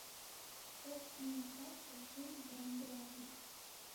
— Ош пийын титакше, шем пийлан йолаже.